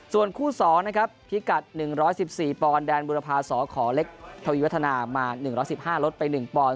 ส่วนคู่๒นะครับพิกัด๑๑๔ปอนด์แดนบุรพาสขเล็กทวีวัฒนามา๑๑๕ลดไป๑ปอนด